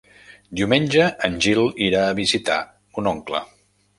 Diumenge en Gil irà a visitar mon oncle.